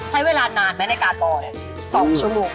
ใช้เวลานานไหมในการบอย๒ชั่วโมง